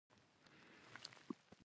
دانګام ځنګلونه ګڼ دي؟